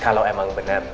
kalau emang benar